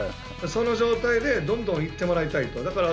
その状態でどんどん行ってもらいたいと。